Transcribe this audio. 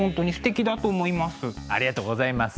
ありがとうございます。